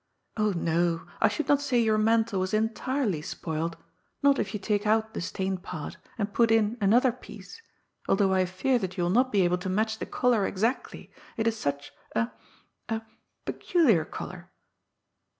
Oh no, I should not say your mantle was entirely spoiled, not if you take out the stained part, and put in another piece, altibiough I fear you will not be able to match the colour exactly — ^it is such a — e^— peculiar colour.